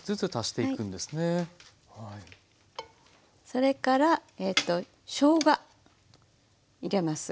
それからしょうが入れます。